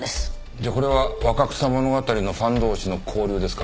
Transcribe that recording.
じゃあこれは『若草物語』のファン同士の交流ですか？